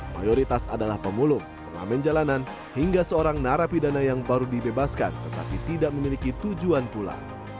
mayoritas adalah pemulung pengamen jalanan hingga seorang narapidana yang baru dibebaskan tetapi tidak memiliki tujuan pula